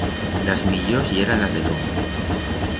Las millors yeran las de lomo.